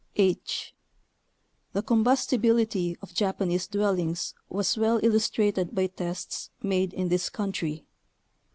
h. The combustibility of Japanese dwellings was well illustrated by tests made in this coun try.